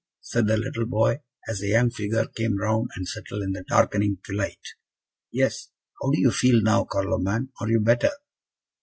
said the little boy, as the young figure came round the settle in the darkening twilight. "Yes. How do you feel now, Carloman; are you better?"